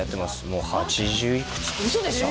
もう８０いくつ嘘でしょ？